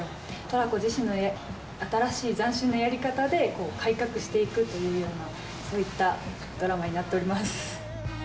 トラコ自身の新しい斬新なやり方で、改革していくというような、そういったドラマになっております。